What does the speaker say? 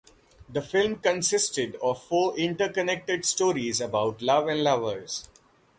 The film consisted of four interconnected stories about love and lovers.